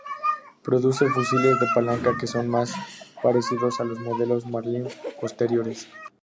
Produce fusiles de palanca que son más parecidos a los modelos Marlin posteriores.